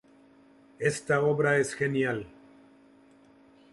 Esta obra es genial.